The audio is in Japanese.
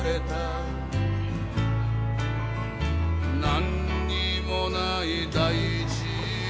「なんにもない大地に」